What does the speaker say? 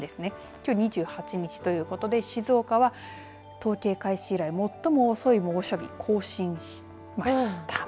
きょう２８日ということで静岡は統計開始以来最も遅い猛暑日更新しました。